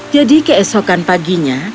jadi keesokan paginya